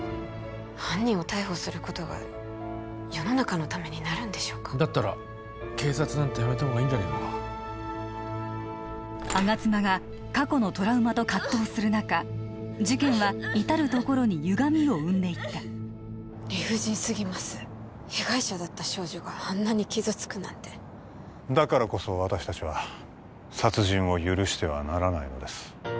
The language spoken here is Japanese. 犯人を逮捕することが世の中のためになるんでしょうかだったら警察なんて辞めた方がいいんじゃねえのか吾妻が過去のトラウマと葛藤する中事件は至るところにゆがみを生んでいった理不尽すぎます被害者だった少女があんなに傷つくなんてだからこそ私達は殺人を許してはならないのです